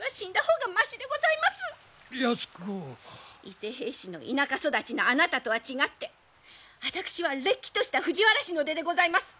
伊勢平氏の田舎育ちのあなたとは違って私はれっきとした藤原氏の出でございます！